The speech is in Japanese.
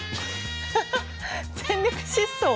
ハハッ全力疾走。